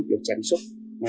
được sản xuất